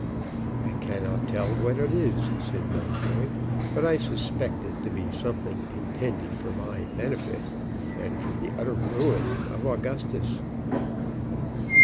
"I cannot tell what it is," said Mountjoy; "but I suspect it to be something intended for my benefit and for the utter ruin of Augustus."